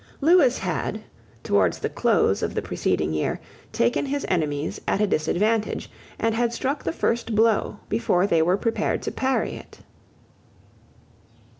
Lewis had, towards the close of the preceding year, taken his enemies at a disadvantage, and had struck the first blow before they were prepared to parry it.